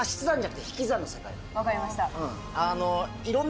分かりました。